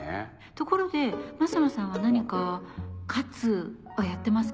ところで升野さんは何か「活」はやってますか？